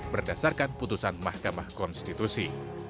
berdasarkan putusan mahkamah konstitusi